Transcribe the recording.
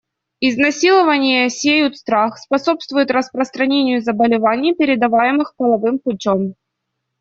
Изнасилования сеют страх, способствуют распространению заболеваний, передаваемых половым путем.